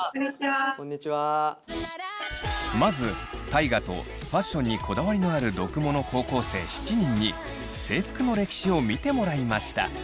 まず大我とファッションにこだわりのある読モの高校生７人に制服の歴史を見てもらいました。